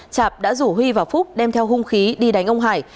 chạp đã rủ huy và phúc đem theo hung khí đi đánh ông hải